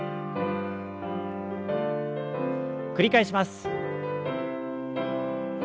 繰り返します。